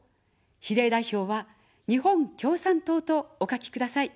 比例代表は、日本共産党とお書きください。